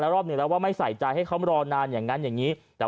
รอบหนึ่งแล้วว่าไม่ใส่ใจให้เขามารอนานอย่างนั้นอย่างนี้